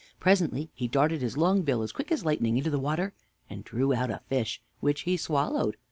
Presently he darted his long bill as quick as lightning into the water, and drew out a fish, which he swallowed.